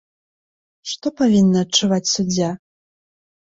Што павінна адчуваць суддзя?